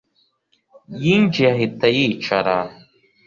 Yinjiye ahita yicara